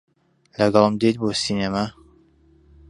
لەگەڵم دێیت بۆ سینەما؟